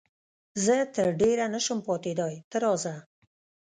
زه تر ډېره نه شم پاتېدای، ته راځه.